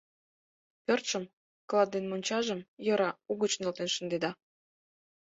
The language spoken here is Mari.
— Пӧртшым, клат ден мончажым, йӧра, угыч нӧлтен шындеда.